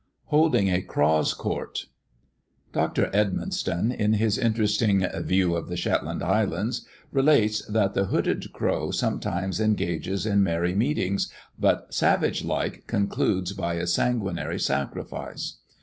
HOLDING A "CRAWS' COURT." Dr. Edmonston in his interesting "View of the Zetland Islands," relates that the hooded Crow sometimes engages in merry meetings, but, savage like, concludes by a sanguinary sacrifice.